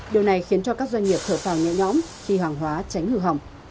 điều này khiến cho các doanh nghiệp thở phào nhẹ nhõm khi hàng hóa chánh hư hỏng